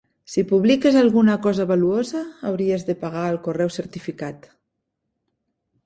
Si publiques alguna cosa valuosa, hauries de pagar el correu certificat